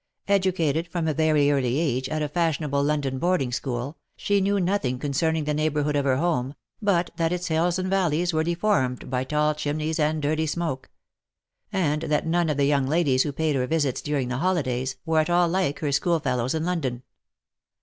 Educated, from a very early age, at a fashionable London boarding school, she knew nothing concerning the neigh bourhood of her home, but that its hills and valleys were deformed by tall chimneys and dirty smoke ; and that none of the young ladies who paid her visits during the holidays, were at all like her school fellows in London.